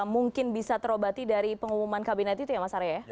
mungkin bisa terobati dari pengumuman kabinet itu ya mas arya ya